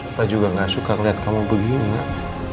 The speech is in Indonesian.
papa juga gak suka liat kamu begini nak